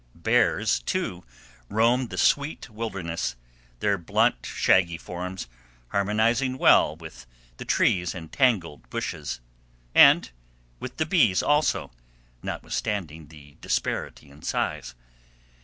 Bears, too, roam the sweet wilderness, their blunt, shaggy forms harmonizing well with the trees and tangled bushes, and with the bees, also, notwithstanding the disparity in size.